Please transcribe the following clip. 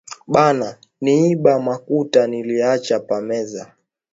Bana niiba makuta niliacha pa meza